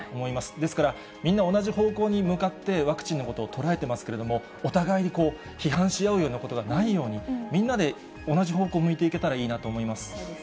ですから、みんな同じ方向に向かって、ワクチンのことを捉えてますけれども、お互いに批判し合うようなことがないように、みんなで同じ方向を向いていけたらいいと思います。